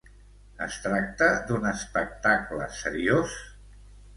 Es tracta d'un espectacle seriós?